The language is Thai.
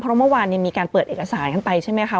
เพราะเมื่อวานมีการเปิดเอกสารกันไปใช่ไหมคะ